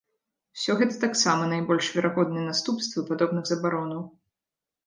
Усё гэта таксама найбольш верагодныя наступствы падобных забаронаў.